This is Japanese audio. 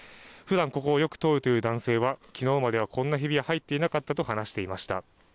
ふだんここをよく通るという男性はきのうまではこんなひびは入っていなかったと話していました。